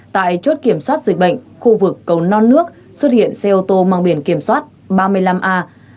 tại chốt kiểm soát dịch bệnh khu vực cầu non nước xuất hiện xe ô tô mang biển kiểm soát ba mươi năm a hai mươi hai nghìn hai trăm chín mươi